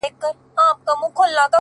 دې لېوني پنځه لمونځونه وکړله نن _